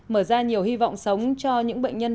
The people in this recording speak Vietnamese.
mở ra nhiều hy vọng sống cho những bệnh nhân